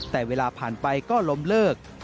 แต่เวลาผ่านไปก็ล้มเลิก